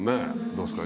どうですか？